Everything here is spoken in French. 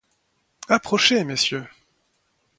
Approchez, messieurs.